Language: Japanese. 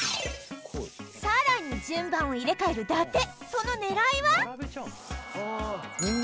さらに順番を入れ替える伊達その狙いは？